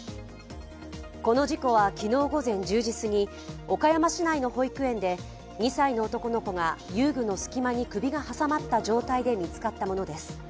この事故は昨日午前１０時過ぎ、岡山市内の保育園で２歳の男の子が遊具の隙間に首が挟まった状態で見つかったものです。